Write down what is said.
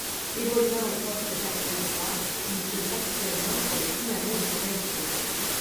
Évoluant au poste d'arrière droit, il joue actuellement pour le Dynamo Dresde.